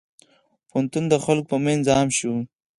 پوهنتون د خلکو په منځ عام شوی.